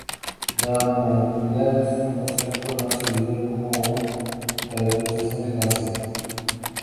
La malignidad es un concepto más familiar como una caracterización del cáncer.